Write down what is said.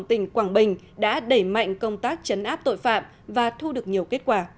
tỉnh quảng bình đã đẩy mạnh công tác chấn áp tội phạm và thu được nhiều kết quả